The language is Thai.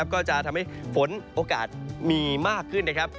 ก็จะทำให้ฝนโอกาสมีมากขึ้นนะครับ